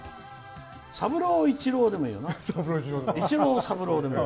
三郎、一郎でもいいよな。